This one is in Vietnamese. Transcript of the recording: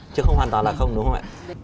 chứ không hoàn toàn là không đúng không ạ